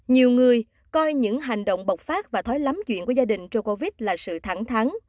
nhiều người coi những hành động bộc phát và thói lắm chuyện của gia đình rocovit là sự thẳng thắng